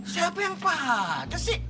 siapa yang pahat ya sih